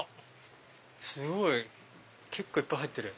すごい！結構いっぱい入ってる。